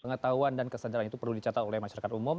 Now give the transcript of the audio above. pengetahuan dan kesadaran itu perlu dicatat oleh masyarakat umum